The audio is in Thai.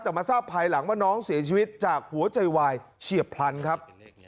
แต่มาทราบภายหลังว่าน้องเสียชีวิตจากหัวใจวายเฉียบพลันครับ